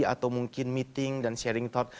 atau mungkin meeting dan sharing thort